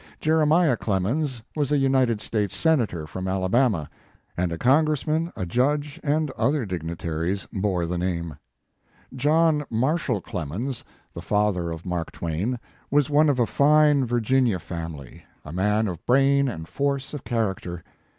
Jeremiah Clemens was a United States senator from Alabama, and a congressman, a judge, and other dignitaries bore the name. John Marshall Clemens, the father of Mark Twain, was one of a fine Virginia family, a man of brain and force of char acter.